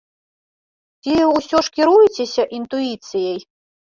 Ці ўсё ж кіруецеся інтуіцыяй?